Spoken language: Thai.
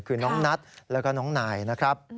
คือน้องนัทแล้วก็น้องนายนะครับ